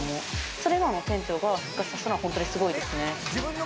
それを店長が復活させたのは本当にすごいですね。